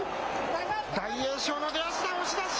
大栄翔の出足だ、押し出し。